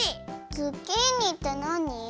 ズッキーニってなに？